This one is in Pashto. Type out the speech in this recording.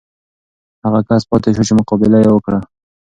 هغه کس پاتې شو چې مقابله یې وکړه.